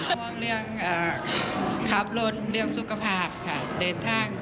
ห่วงเรื่องขับรถเรื่องสุขภาพค่ะเดินทาง